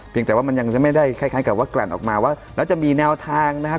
แต่ว่ามันยังจะไม่ได้คล้ายกับว่ากลั่นออกมาว่าแล้วจะมีแนวทางนะครับ